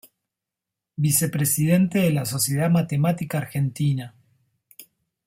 Vice-Presidente de la Sociedad Matemática Argentina